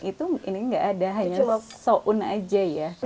itu ini enggak ada hanya so'un aja ya